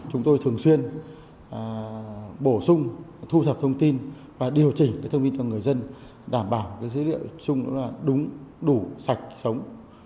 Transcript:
chúng tôi thường xuyên bổ sung thu thập thông tin và điều chỉnh thông tin cho người dân đảm bảo dữ liệu chung là đúng đủ sạch sống